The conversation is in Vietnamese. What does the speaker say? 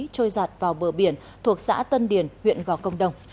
trôi giặt vào bờ biển thuộc xã tân điền huyện gò công đồng